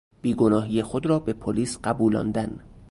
بیگناهی خود را به پلیس قبولاندن